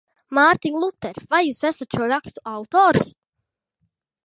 Mārtiņ Luter, vai jūs esat šo rakstu autors?